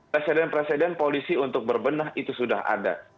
presiden presiden polisi untuk berbenah itu sudah ada